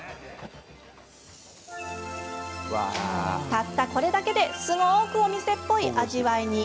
たったこれだけですごく、お店っぽい味わいに。